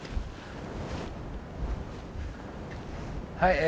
はいえ